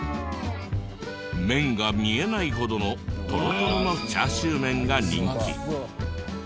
麺が見えないほどのトロトロのチャーシュー麺が人気。